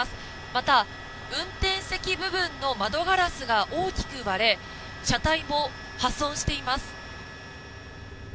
また、運転席部分の窓ガラスが大きく割れ車体も破損しています。